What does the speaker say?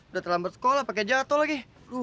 udah terlambat sekolah pakai jatuh lagi